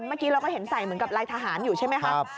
เมื่อกี้เราก็เห็นใส่เหมือนกับลายทหารอยู่ใช่ไหมครับ